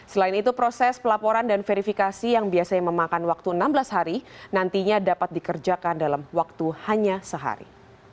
selain itu proses pelaporan dan verifikasi yang biasanya memakan waktu enam belas hari nantinya dapat dikerjakan dalam waktu hanya sehari